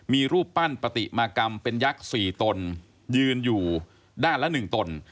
มีรูปปั้นปฏิมากรรมเป็นยักษ์๔ตนยืนอยู่ด้านละ๑ตน